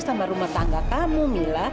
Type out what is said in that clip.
sama rumah tangga kamu mila